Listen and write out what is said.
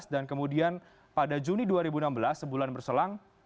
dan kemudian pada juni dua ribu enam belas sebulan berselang